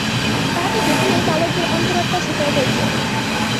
তাঁহাকে দেখিলেই বালকদের অন্তরাত্মা শুকাইয়া যাইত।